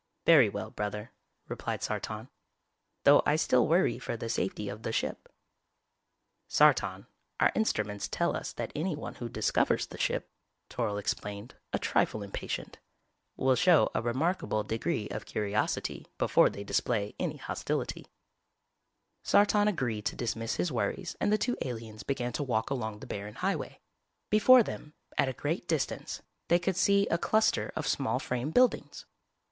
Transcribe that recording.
"Very well, Brother," replied Sartan, "though I still worry for the safety of the ship." "Sartan, our instruments tell us that anyone who discovers the ship," Toryl explained, a trifle impatient, "will show a remarkable degree of curiosity before they display any hostility." Sartan agreed to dismiss his worries and the two aliens began to walk along the barren highway. Before them, at a great distance, they could see a cluster of small frame buildings.